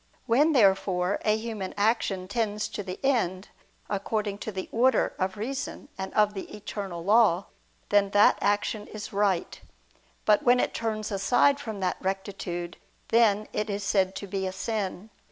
When, therefore, a human action tends to the end, according to the order of reason and of the Eternal Law, then that action is right: but when it turns aside from that rectitude, then it is said to be a sin.